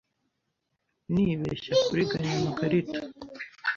Nibeshya kuriganya amakarita.